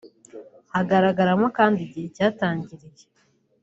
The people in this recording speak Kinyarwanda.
hagaragaramo kandi igihe cyatangiriye